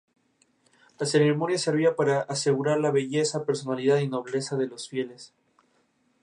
La ceremonia servía para asegurar la belleza, personalidad y nobleza de los fieles.